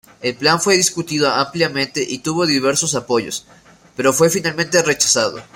El plan fue discutido ampliamente y tuvo diversos apoyos, pero fue finalmente rechazado.